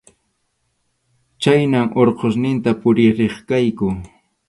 Chhaynam Urqusninta puririrqayku.